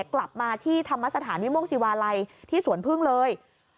กลับมาที่ธรรมสถานวิโมกศิวาลัยที่สวนพึ่งเลย